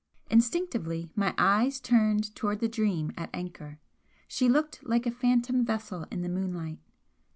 Instinctively my eyes turned towards the 'Dream' at anchor. She looked like a phantom vessel in the moonlight.